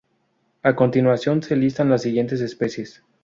A continuación se listan las siguientes especies.